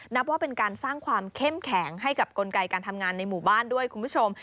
นับว่าเป็นการสร้างความเข้มแข็งให้กับกลไกการทำงานในหมู่บ้านด้วยคุณผู้ชม